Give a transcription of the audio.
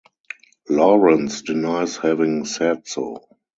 Lawrence denies having said so.